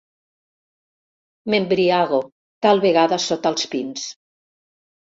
M'embriago, tal vegada sota els pins.